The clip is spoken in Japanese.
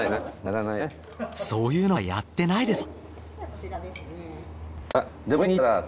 そういうのはやってないですよ。